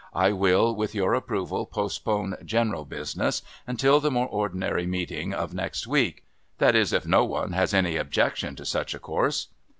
I will, with your approval, postpone general business until the more ordinary meeting of next week. That is if no one has any objection to such a course?"